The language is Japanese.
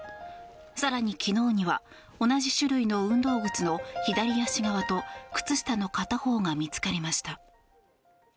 更に昨日には同じ種類の運動靴の左足側と靴下の片方が見つかりました。